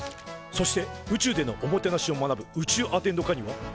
そして宇宙でのおもてなしを学ぶ宇宙アテンド科には。